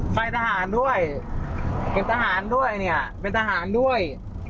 ทหารด้วยเป็นทหารด้วยเนี่ยเป็นทหารด้วย